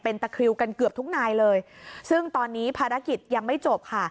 ตะคริวกันเกือบทุกนายเลยซึ่งตอนนี้ภารกิจยังไม่จบค่ะ